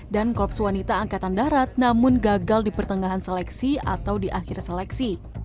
dan korps wanita angkatan darat namun gagal di pertengahan seleksi atau di akhir seleksi